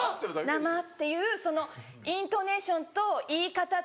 「生」っていうそのイントネーションと言い方と。